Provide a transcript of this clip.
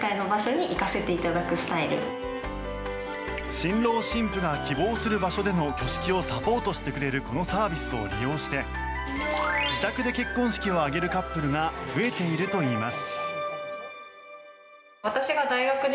新郎新婦が希望する場所での挙式をサポートしてくれるこのサービスを利用して自宅で結婚式を挙げるカップルが増えているといいます。